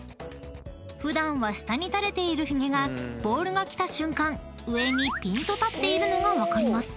［普段は下に垂れているヒゲがボールが来た瞬間上にぴんと立っているのが分かります］